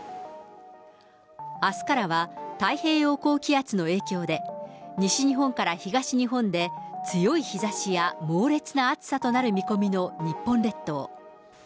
あすからは太平洋高気圧の影響で、西日本から東日本で、強い日ざしや、猛烈な暑さとなる見込みの日本列島。